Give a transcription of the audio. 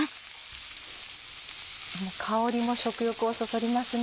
香りも食欲をそそりますね。